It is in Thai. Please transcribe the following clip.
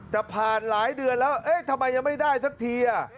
แต่ผ่านหลายเดือนแล้วเอ๊ะทำไมยังไม่ได้สักที